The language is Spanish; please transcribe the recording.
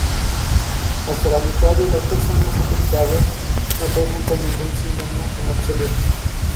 Hasta la mitad de las personas afectadas no presenta ningún síntoma en absoluto.